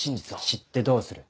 知ってどうする？